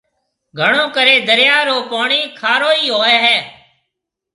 گھڻو ڪريَ دريا رو پوڻِي کارو ئِي هوئي هيَ۔